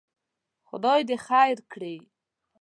خدای دې خیر کړي.